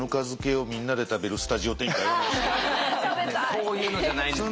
そういうのじゃないんですね。